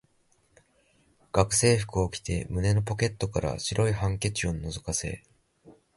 学生服を着て、胸のポケットから白いハンケチを覗かせ、